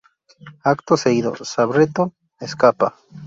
Acto seguido, Sabretooth escapa.